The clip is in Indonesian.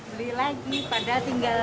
beli lagi padahal tinggal